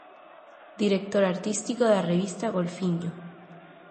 Director artístico da revista "Golfiño".